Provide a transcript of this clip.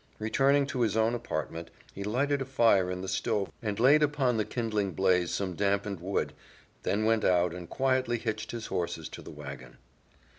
Returning to his own apartment, he lighted a fire in the stove and laid upon the kindling blaze some dampened wood, then went out and quietly hitched his horses to the wagon.